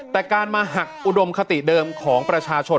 แต่การมาหักอุดมคติเดิมของประชาชน